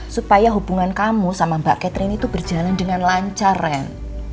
supaya hubungan kamu sama mbak catherine itu berjalan dengan lancar ren